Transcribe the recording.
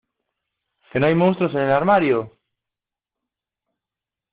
que no hay monstruos en el armario